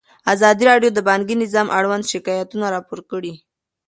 ازادي راډیو د بانکي نظام اړوند شکایتونه راپور کړي.